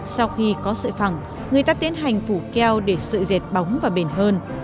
sau khi có sợi phẳng người ta tiến hành phủ keo để sợi diệt bóng và bền hơn